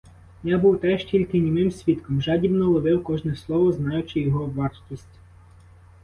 Я був теж тільки німим свідком, жадібно ловив кожне слово, знаючи його вартість.